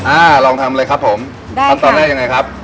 อ่าลองทำเลยครับผมได้ขั้นตอนแรกยังไงครับ